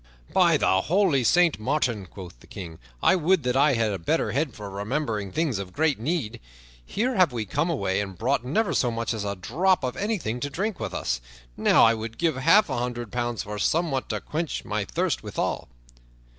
"By the holy Saint Martin," quoth the King, "I would that I had a better head for remembering things of great need. Here have we come away and brought never so much as a drop of anything to drink with us. Now I would give half a hundred pounds for somewhat to quench my thirst withal."